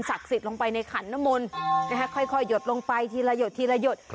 สิทธิ์ลงไปในขันนมลค่อยหยดลงไปทีละหยดทีละหยด